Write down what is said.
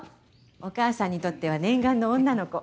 お母さんにとっては念願の女の子。